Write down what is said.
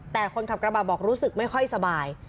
แต่คนขับกระบะบอกรู้สึกไม่ค่อยสบาย